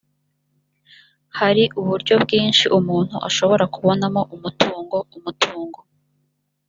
hari uburyo bwinshi umuntu ashobora kubonamo umutungo umutungo